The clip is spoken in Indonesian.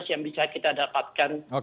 yang bisa kita dapatkan